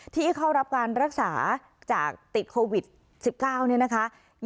ที่เข้ารับการรักษาจากติดโควิด๑๙เนี่ยนะคะ